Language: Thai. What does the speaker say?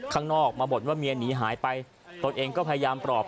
ข้างนอกมาบ่นว่าเมียหนีหายไปตนเองก็พยายามปลอบ